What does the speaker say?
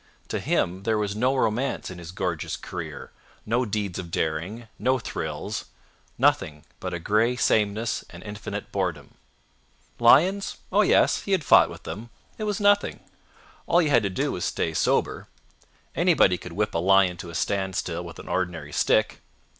To him there was no romance in his gorgeous career, no deeds of daring, no thrills—nothing but a gray sameness and infinite boredom. Lions? Oh, yes! he had fought with them. It was nothing. All you had to do was to stay sober. Anybody could whip a lion to a standstill with an ordinary stick.